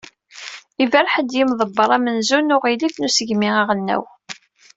Iberreḥ-d yimḍebber amenzu n uɣlif n usegmi aɣelnaw.